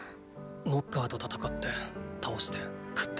ノッカーと戦って倒して喰って。